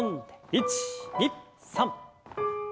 １２３。